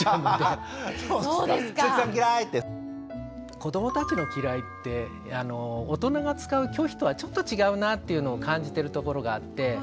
子どもたちの「嫌い」って大人が使う拒否とはちょっと違うなっていうのを感じてるところがあって。